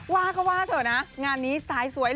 ว่าก็ว่าเถอะนะงานนี้สายสวย